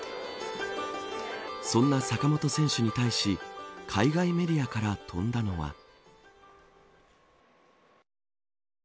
そんな坂本選手に対し海外メディアから飛んだのは。